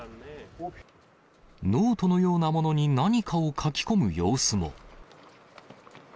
ノートのようなものに何かを書き込む様子も。